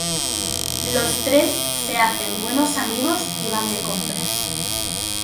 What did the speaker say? Los tres se hacen buenos amigos y van de compras.